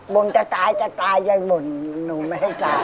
บุญจะตายจะตายเฎื่อยบุญหนูไม่ให้ตาย